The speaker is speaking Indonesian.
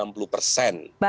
baru ini kemudian ya